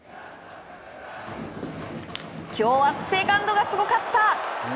今日はセカンドがすごかった。